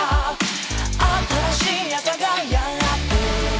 「新しい朝がやってくる」